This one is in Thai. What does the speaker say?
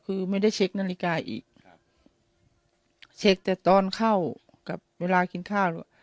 คือไม่ได้เช็คนาฬิกาอีกครับเช็คแต่ตอนเข้ากับเวลากินข้าว